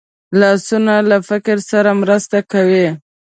لاسونه له فکر سره مرسته کوي